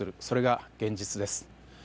それが現実です。